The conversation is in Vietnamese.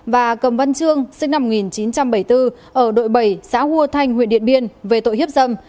và cầm văn trương sinh năm một nghìn chín trăm bảy mươi bốn ở đội bảy xã hua thanh huyện điện biên về tội hiếp dâm